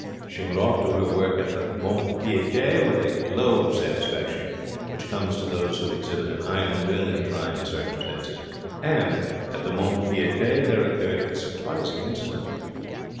She went off to her work at the mont de piete with a glow of satisfaction which comes to those who exhibit an iron will in trying circumstances. And at the mont de piete there occurred a surprising incident.